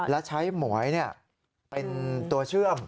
แล้วใช้หมวยเนี่ยเป็นตัวเชื่อม